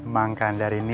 mang kandar ini